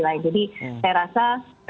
lain jadi saya rasa